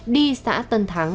đi xã tân thắng